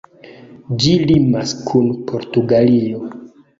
Ĝi limas kun Portugalio.